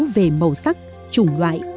về màu sắc chủng loại